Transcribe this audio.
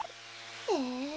へえ。